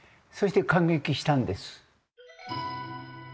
そして感激したんです。